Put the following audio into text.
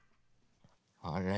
あれ？